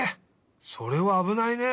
それはあぶないね。